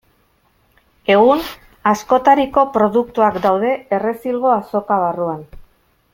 Egun, askotariko produktuak daude Errezilgo Azoka barruan.